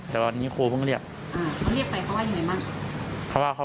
แต่ว่าพรั้งแลพได้